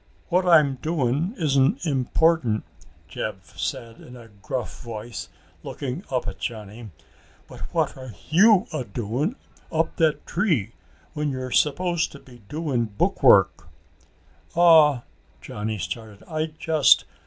"What I'm doin' isn't important," Jeb said in a gruff voice, looking up at Johnny. "But what are you a doin' up that tree when you're supposed to be doin' book work?" "Aw," Johnny started, "I just...."